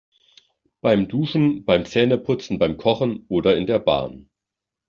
Beim Duschen, beim Zähneputzen, beim Kochen oder in der Bahn.